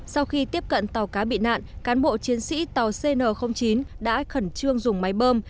sau khi tiếp cận tàu cá bị nạn cán bộ chiến sĩ tàu cn chín đã khẩn trương dùng máy bơm